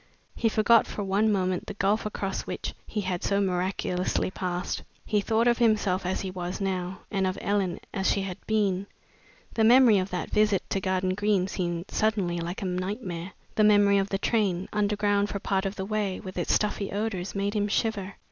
He forgot for one moment the gulf across which he had so miraculously passed. He thought of himself as he was now, and of Ellen as she had been. The memory of that visit to Garden Green seemed suddenly like a nightmare. The memory of the train, underground for part of the way, with its stuffy odors, made him shiver.